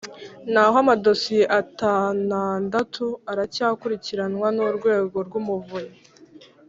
naho amadosiye atanadatu aracyakurikiranwa n'urwego rw'umuvunyi